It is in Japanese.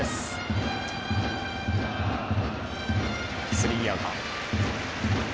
スリーアウト。